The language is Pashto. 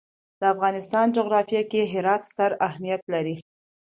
د افغانستان جغرافیه کې هرات ستر اهمیت لري.